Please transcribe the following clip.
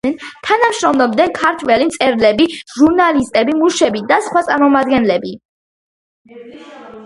თანამშრომლობდნენ ქართველი მწერლები, ჟურნალისტები, მუშები და სხვა წარმომადგენლები.